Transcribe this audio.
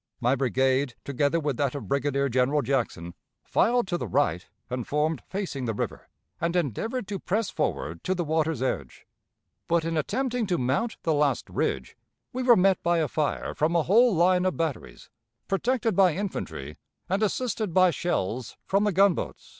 My brigade, together with that of Brigadier General Jackson, filed to the right and formed facing the river, and endeavored to press forward to the water's edge; but in attempting to mount the last ridge we were met by a fire from a whole line of batteries, protected by infantry and assisted by shells from the gunboats."